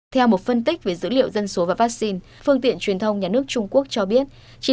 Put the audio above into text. theo một phân tích về dữ liệu dân số và vaccine phương tiện truyền thông nhà nước trung quốc cho biết